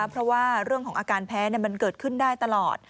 เพราะว่าเรื่องของอาการแพ้มันเกิดขึ้นได้ตลอด